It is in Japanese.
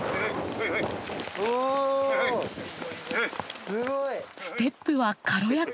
おすごい！ステップは軽やか。